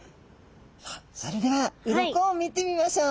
さあそれでは鱗を見てみましょう。